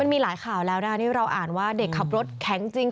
มีหลายข่าวแล้วนะคะที่เราอ่านว่าเด็กขับรถแข็งจริง